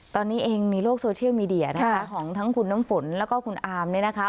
ตอนนี้เองมีโลกโซเชียลมีเดียนะคะของทั้งคุณน้ำฝนแล้วก็คุณอามเนี่ยนะคะ